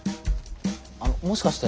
あのもしかして。